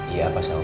iya pak saun